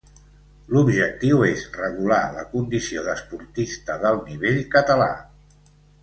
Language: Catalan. L'objectiu és regular la condició d'esportista d'alt nivell català.